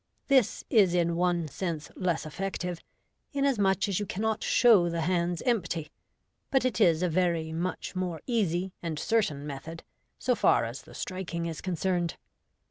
This is in one sense less effective, inasmuch as you cannot show the hands empty, but it is a very much more easy and certain method, so far as the striking is concerned.